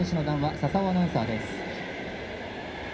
佐々生アナウンサーです。